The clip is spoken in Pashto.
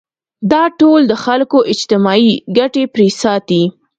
دا ټول د خلکو اجتماعي ګټې پرې ساتي.